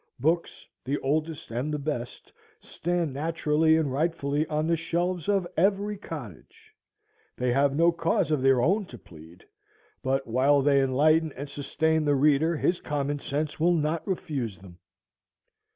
Books, the oldest and the best, stand naturally and rightfully on the shelves of every cottage. They have no cause of their own to plead, but while they enlighten and sustain the reader his common sense will not refuse them.